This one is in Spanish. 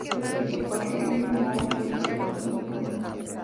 Fue escrito por Ryan Murphy y dirigido por Tim Hunter.